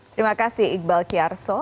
terima kasih iqbal kiarso